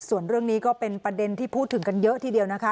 ส่วนเรื่องนี้ก็เป็นประเด็นที่พูดถึงกันเยอะทีเดียวนะคะ